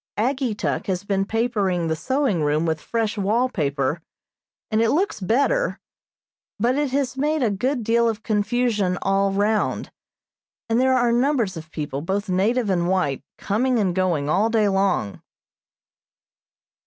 Ageetuk has been papering the sewing room with fresh wall paper, and it looks better, but it has made a good deal of confusion all round, and there are numbers of people, both native and white, coming and going all day long.